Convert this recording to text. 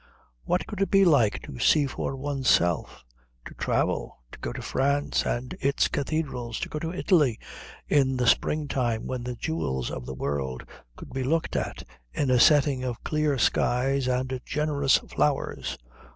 What could it be like to see for oneself, to travel, to go to France and its cathedrals, to go to Italy in the spring time when the jewels of the world could be looked at in a setting of clear skies and generous flowers?